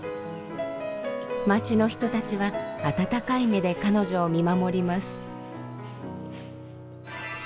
街の人たちは温かい目で彼女を見守ります。